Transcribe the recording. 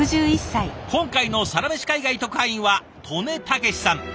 本回のサラメシ海外特派員は刀祢剛さん。